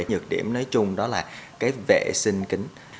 nhược điểm nói chung đó là cái vệ sinh kính